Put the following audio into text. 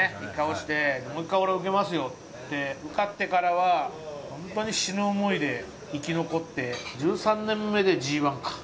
落ちて、もう一回俺、受けますよって受かってからは本当に死ぬ思いで生き残って１３年目でＧ１か。